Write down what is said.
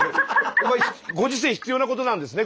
ご時世必要なことなんですね